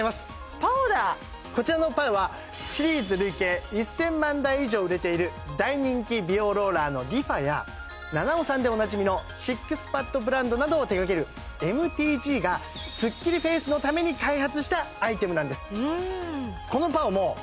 ＰＡＯだこちらのＰＡＯはシリーズ累計１０００万台以上売れている大人気美容ローラーのＲｅＦａや菜々緒さんでおなじみのＳＩＸＰＡＤブランドなどを手がけるＭＴＧがすっきりフェイスのために開発したアイテムなんです